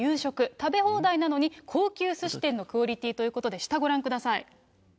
食べ放題なのに、高級すし店のクオリティーということで、下、ご覧ください。